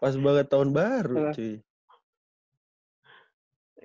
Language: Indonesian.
pas banget tahun baru cuy